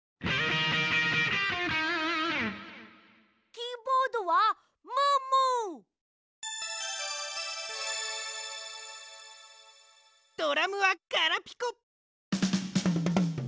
キーボードはムームー！ドラムはガラピコ！